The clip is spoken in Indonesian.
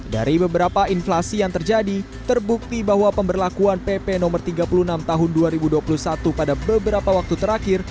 dari beberapa inflasi yang terjadi terbukti bahwa pemberlakuan pp no tiga puluh enam tahun dua ribu dua puluh satu pada beberapa waktu terakhir